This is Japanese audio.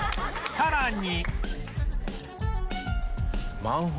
さらに